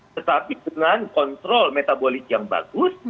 tetapi dengan kontrol metabolis yang bagus